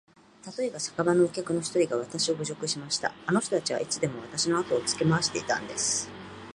たとえば、酒場のお客の一人がわたしを侮辱しました。あの人たちはいつでもわたしのあとをつけ廻していたんです。